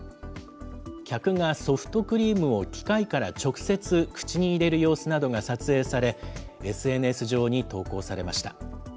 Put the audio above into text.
客がソフトクリームを機械から直接口に入れる様子などが撮影され、ＳＮＳ上に投稿されました。